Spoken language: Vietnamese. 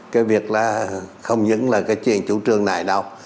cái việc là không những là cái chuyện chủ trương này đâu